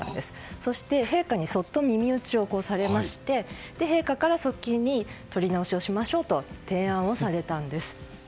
そして、陛下にそっと耳打ちされ陛下から、側近に撮り直しをしましょうと提案をされたんです。